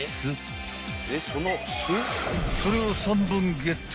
［それを３本ゲット］